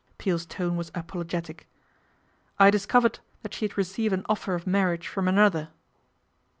Peel's tone was apologetic. " I discovered that she had received an offer of marriage from another."